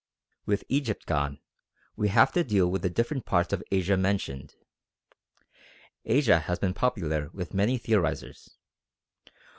With Egypt gone, we have to deal with the different parts of Asia mentioned. Asia has been popular with many theorisers.